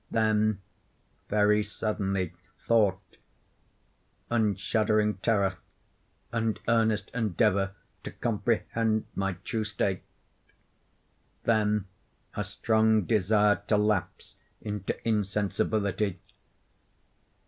Then, very suddenly, thought, and shuddering terror, and earnest endeavor to comprehend my true state. Then a strong desire to lapse into insensibility.